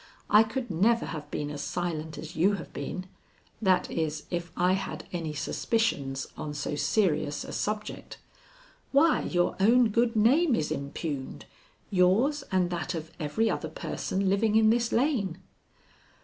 I could never have been as silent as you have been that is, if I had any suspicions on so serious a subject. Why, your own good name is impugned yours and that of every other person living in this lane."